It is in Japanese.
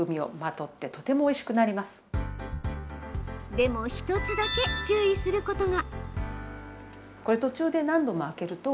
でも、１つだけ注意することが。